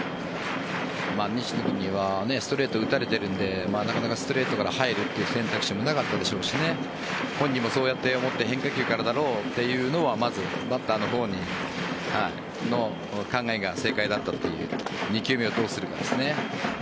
西野君にはストレート打たれているのでなかなかストレートから入るという選択肢もなかったでしょうし本人もそう思って変化球からだろうというのはバッターの方の考えが正解だったという２球目をどうするかですね。